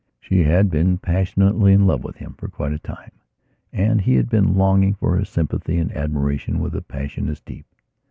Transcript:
She had been passionately in love with him for quite a time, and he had been longing for her sympathy and admiration with a passion as deep.